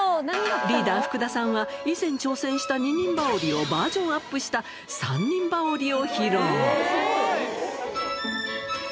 リーダー、福田さんは以前、挑戦した二人羽織をバージョンアップした三人羽織を披露。